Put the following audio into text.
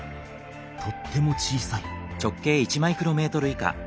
とっても小さい。